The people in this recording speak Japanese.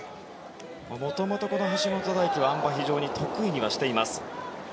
元々この橋本大輝は、あん馬非常に得意にはしています。